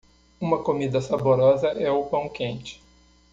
Uma comida saborosa é o pão quente.